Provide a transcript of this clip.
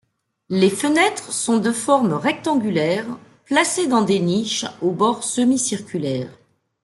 Les fenêtres sont de formes rectangulaires, placées dans des niches aux bords semi-circulaires.